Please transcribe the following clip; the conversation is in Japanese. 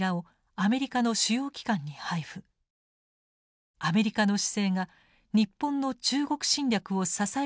アメリカの姿勢が日本の中国侵略を支えていると訴えたのです。